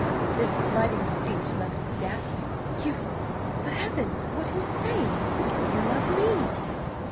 This blighting speech left him gasping. "You–but–heavens! what are you saying? You love me!"